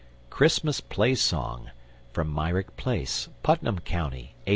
CHRISTMAS PLAY SONG (MYRICK PLACE, PUTNAM COUNTY 1858.)